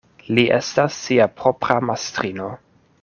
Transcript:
Li estas sia propra mastrino.